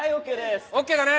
ＯＫだね。